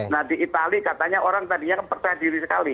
nah di itali katanya orang tadinya kan percaya diri sekali